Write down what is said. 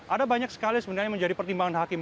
ada banyak sekali sebenarnya menjadi pertimbangan hakim